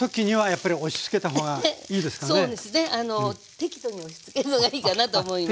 適度に押しつけるのがいいかなと思います。